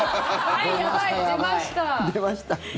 出ました。